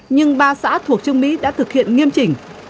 nhưng ba xã thuộc trương mỹ đã thực hiện nghiêm chỉnh